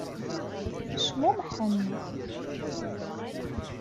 Cmumḥen.